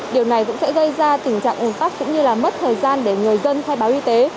điều này cũng sẽ gây ra tình trạng ủng tắc cũng như là mất thời gian để người dân khai báo y tế